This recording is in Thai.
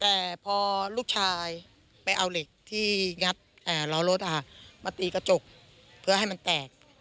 แต่พอลูกชายไปเอาเหล็กที่งัดล้อรถมาตีกระจกเพื่อให้มันแตก